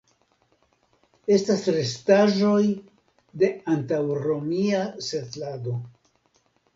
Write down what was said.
Estas restaĵoj de antaŭromia setlado.